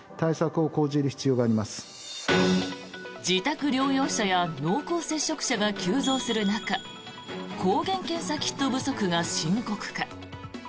自宅療養者や濃厚接触者が急増する中抗原検査キット不足が深刻化。